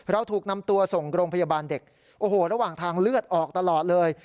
ถูกนำตัวส่งโรงพยาบาลเด็กโอ้โหระหว่างทางเลือดออกตลอดเลย